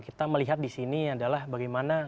kita melihat di sini adalah bagaimana